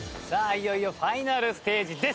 いよいよファイナルステージです。